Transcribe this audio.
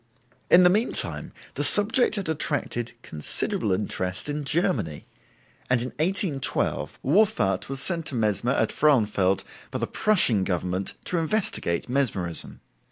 In the meantime, the subject had attracted considerable interest in Germany, and in 1812 Wolfart was sent to Mesmer at Frauenfeld by the Prussian government to investigate Mesmerism.